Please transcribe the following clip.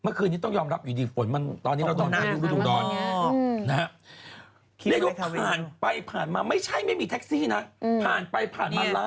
เมื่อคืนนี้ต้องยอมรับอยู่ดีฝนนี่เราต้องตกหน้า